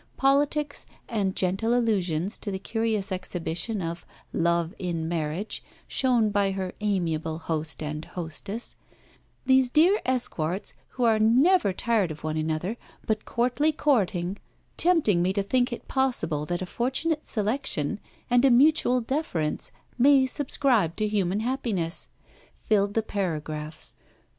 Politics, and gentle allusions to the curious exhibition of 'love in marriage' shown by her amiable host and hostess: 'these dear Esquarts, who are never tired of one another, but courtly courting, tempting me to think it possible that a fortunate selection and a mutual deference may subscribe to human happiness: filled the paragraphs.